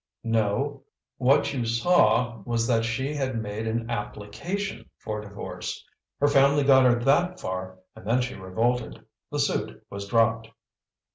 "No. What you saw was that she had made an application for divorce. Her family got her that far and then she revolted. The suit was dropped."